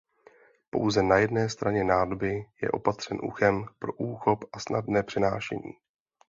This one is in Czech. Pouze na jedné straně nádoby je opatřen uchem pro úchop a snadné přenášení.